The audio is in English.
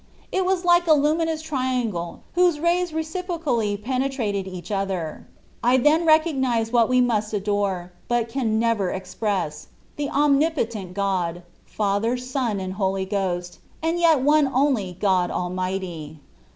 It was like a luminous triangle whose rays reciprocally penetrated each ether. I then recognised what we must adore, but can never express the om nipotent God, Father, Son, and Holy Ghost, and yet one only God Almighty.